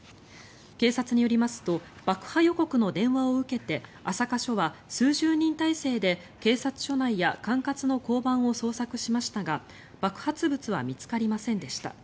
警察によりますと爆破予告の電話を受けて朝霞署は、数十人態勢で警察署内や管轄の交番を捜索しましたが爆発物は見つかりませんでした。